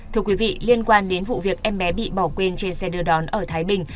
thưa quý vị liên quan đến vụ việc em bé bị bỏ quên trên xe đưa đón ở thái bình